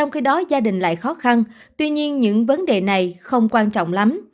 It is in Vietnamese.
trong khi đó gia đình lại khó khăn tuy nhiên những vấn đề này không quan trọng lắm